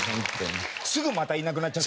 すぐまたいなくなっちゃう。